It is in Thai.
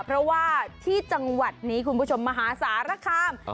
เพราะว่าที่จังหวัดนี้คุณผู้ชมมหาสารคาม